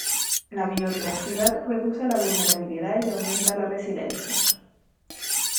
La biodiversidad reduce la vulnerabilidad y aumenta la resiliencia.